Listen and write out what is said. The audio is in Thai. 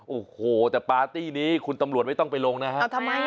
โอ้โหแต่ปาร์ตี้นี้คุณตำรวจไม่ต้องไปลงนะฮะ